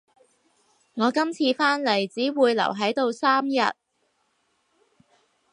我今次返嚟只會留喺度三日